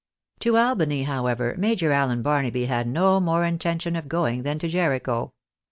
To Albany, however, Major Allen Barnaby had no more intention of going than to Jericho.